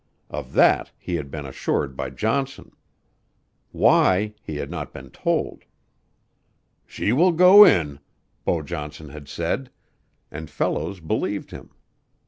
Of that he had been assured by Johnson. Why, he had not been told. "She will go in," Beau Johnson had said, and Fellows believed him.